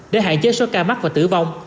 để hạn chế số ca mắc và tử vong